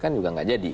kan juga nggak jadi